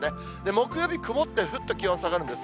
木曜日、曇って、ふっと気温下がるんです。